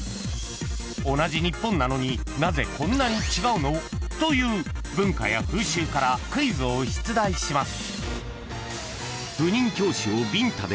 ［同じ日本なのになぜこんなに違うの？という文化や風習からクイズを出題します］